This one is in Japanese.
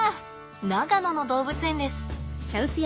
長野の動物園です。